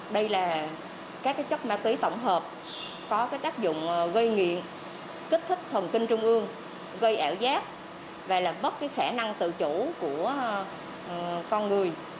đây là các chất ma túy tổng hợp có tác dụng gây nghiện kích thích thần kinh trung ương gây ẻo giáp và bất khả năng tự chủ của con người